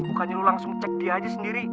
bukannya lu langsung cek dia aja sendiri